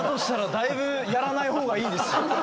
だいぶやらない方がいいですよ。